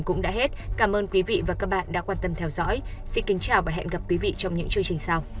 cảm ơn các bạn đã theo dõi và hẹn gặp lại